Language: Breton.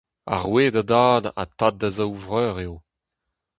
Ar roue da dad ha tad da zaou vreur eo.